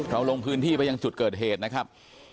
ลงพื้นที่ไปยังจุดเกิดเหตุนะครับ